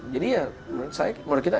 jadi ya menurut saya menurut kita